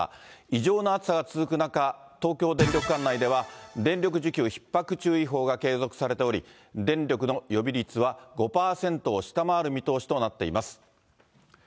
異常な暑さが続く中、東京電力管内では、電力需給ひっ迫注意報が継続されており、電力の予備率は５％を下回る見通しとなっています。